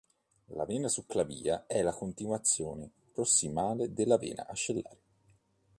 La vena succlavia è la continuazione prossimale della vena ascellare.